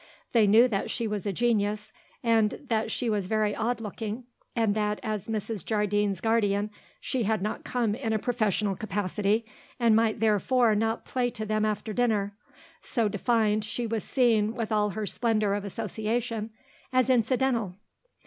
They knew that she was a genius, and that she was very odd looking and that, as Mrs. Jardine's guardian, she had not come in a professional capacity and might therefore not play to them after dinner. So defined, she was seen, with all her splendour of association, as incidental.